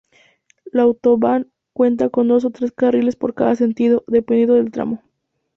La Autobahn cuenta con dos o tres carriles por cada sentido, dependiendo del tramo.